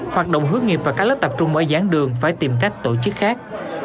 hoạt động hước nghiệp và các lớp tập trung mỗi gián đường phải tìm cách tổ chức khác